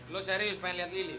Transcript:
lu serius pengen liat lili